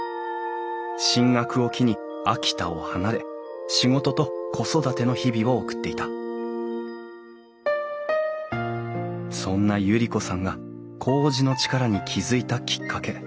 進学を機に秋田を離れ仕事と子育ての日々を送っていたそんな百合子さんがこうじの力に気付いたきっかけ。